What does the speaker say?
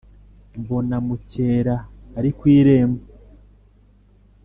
Mbona Mukera ari ku irembo.